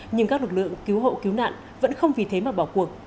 nhưng các lực lượng cứu hộ cứu nạn vẫn không vì thế mà bỏ cuộc